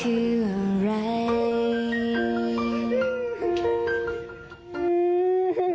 เฮ่ยร้องเป็นเด็กเลยอ่ะภรรยาเซอร์ไพรส์สามีแบบนี้ค่ะ